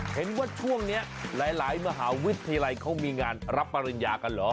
เห็นว่าช่วงนี้หลายมหาวิทยาลัยเขามีงานรับปริญญากันเหรอ